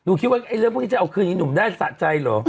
คิดว่าเรื่องพวกนี้จะเอาคืนอีหนุ่มได้สะใจเหรอ